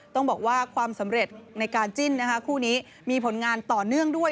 ต้องบอกว่าความสำเร็จในการจิ้นนะคะคู่นี้มีผลงานต่อเนื่องด้วย